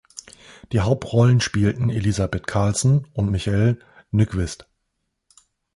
Die Hauptrollen spielten Elisabeth Carlsson und Michael Nyqvist.